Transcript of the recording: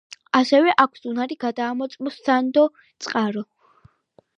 ასევე აქვს უნარი გადაამოწმოს სანდო წყარო.